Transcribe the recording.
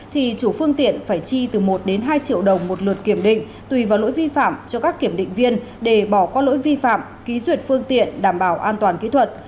thì chủ phương tiện phải chi từ một đến hai triệu đồng một lượt kiểm định tùy vào lỗi vi phạm cho các kiểm định viên để bỏ qua lỗi vi phạm ký duyệt phương tiện đảm bảo an toàn kỹ thuật